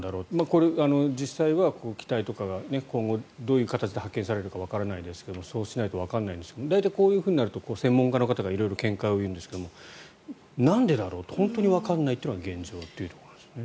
これ、実際は機体とかが今後、どういう形で発見されるかわからないですがそうしないとわからないですが大体、こうなると専門家の方が色々見解を言うんですけどなんでだろうと本当にわからないのが現状ということなんですね。